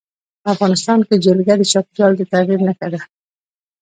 افغانستان کې جلګه د چاپېریال د تغیر نښه ده.